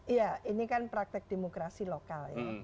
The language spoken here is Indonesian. iya ini kan praktek demokrasi lokal ya